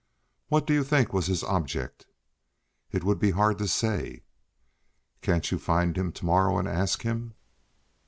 "What do you think was his object?" "It would be hard to say." "Can't you find him to morrow, and ask him?"